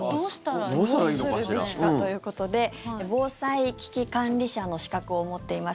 どうしたらいいのかしら。ということで防災危機管理者の資格を持っています